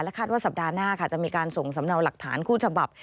คาดว่าสัปดาห์หน้าค่ะจะมีการส่งสำเนาหลักฐานคู่ฉบับ